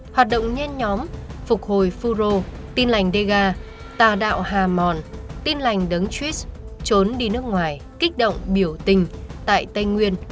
hoạt động nhen nhóm phục hồi phu rô tin lành đê ga tà đạo hà mòn tin lành đấng truyết trốn đi nước ngoài kích động biểu tình tại tây nguyên